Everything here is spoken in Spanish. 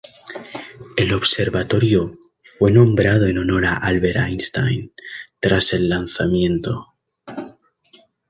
El observatorio fue nombrado en honor a Albert Einstein tras el lanzamiento.